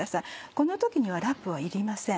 この時にはラップはいりません。